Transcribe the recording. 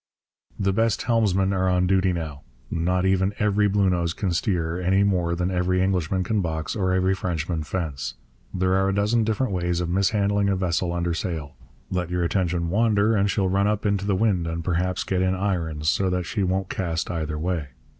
The best helmsmen are on duty now. Not even every Bluenose can steer, any more than every Englishman can box or every Frenchman fence. There are a dozen different ways of mishandling a vessel under sail. Let your attention wander, and she'll run up into the wind and perhaps get in irons, so that she won't cast either way.